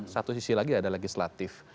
satu sisi lagi ada legislatif